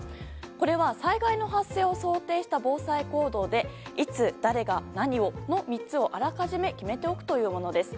これは災害の発生を想定した防災行動でいつ、誰が、何をの３つをあらかじめ決めておくというものです。